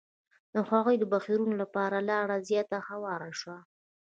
د هغو بهیرونو لپاره لاره زیاته هواره شوه.